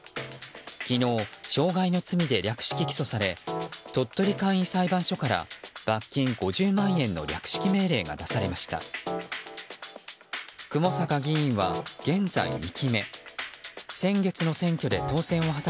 昨日、傷害の罪で略式起訴され鳥取簡易裁判所から罰金５０万円の略式命令が出されました。